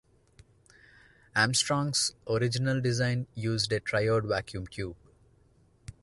Armstrong's original design used a triode vacuum tube.